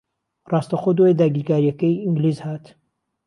ڕاستەوخۆ دوای داگیرکارییەکەی ئینگلیز ھات